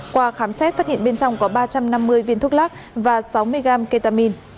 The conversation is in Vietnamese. qua khám xét phát hiện bên trong có ba trăm năm mươi viên thuốc lắc và sáu mươi gram ketamin